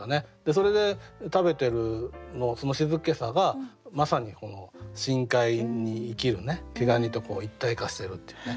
それで食べてるその静けさがまさに深海に生きる毛ガニと一体化してるっていうね